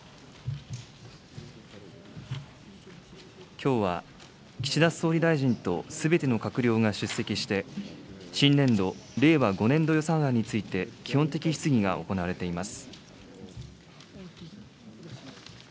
きょうは岸田総理大臣とすべての閣僚が出席して、新年度・令和５年度予算案について、基本的質疑が行われています。